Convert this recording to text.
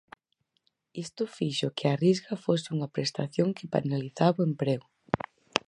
Isto fixo que a Risga fose unha prestación que penalizaba o emprego.